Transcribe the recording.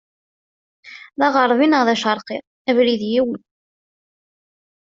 D aɣeṛbi neɣ d aceṛqi, abrid yiwen.